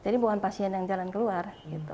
jadi bukan pasien yang jalan keluar